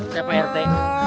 saya pak rete